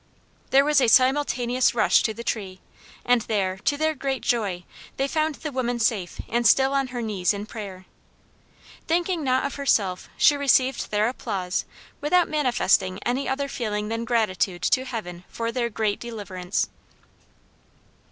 There was a simultaneous rush to the tree and there, to their great joy, they found the woman safe and still on her knees in prayer. Thinking not of herself, she received their applause without manifesting any other feeling than gratitude to Heaven for their great deliverance.